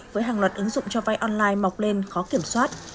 với hàng loạt ứng dụng cho vay online mọc lên khó kiểm soát